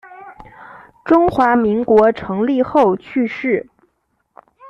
中华民国成立后去世。